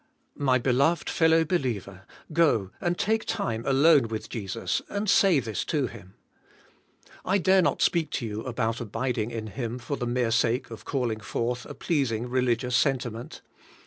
My beloved fellow believer, go, and take time alone with Jesus, and say this to Him. I dare not speak to you about abiding in Him for the mere sake of calling forth a pleasing religious sentiment.